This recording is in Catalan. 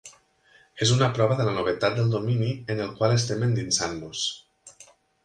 És una prova de la novetat del domini en el qual estem endinsant-nos.